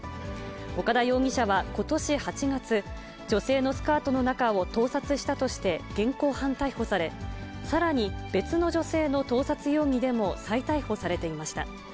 岡田容疑者はことし８月、女性のスカートの中を盗撮したとして現行犯逮捕され、さらに別の女性の盗撮容疑でも再逮捕されていました。